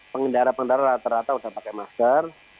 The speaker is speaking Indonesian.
pengendara pengendara rata rata sudah pakai masker